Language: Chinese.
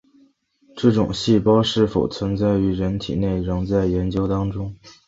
该种细胞是否存在于人体内仍在研究当中。